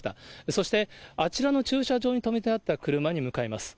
そして、あちらの駐車場に止めてあった車に向かいます。